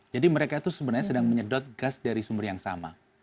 jadi mereka itu sebenarnya sedang menyedot gas dari sumber yang sama